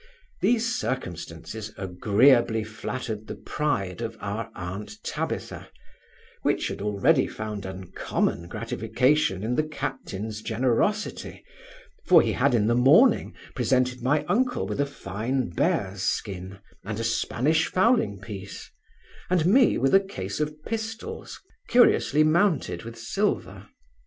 These circumstances agreeably flattered the pride of our aunt Tabitha, which had already found uncommon gratification in the captain's generosity; for he had, in the morning, presented my uncle with a fine bear's skin, and a Spanish fowling piece, and me with a case of pistols curiously mounted with silver.